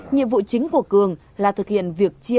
nhiệm vụ chính của cường là thực hiện việc chia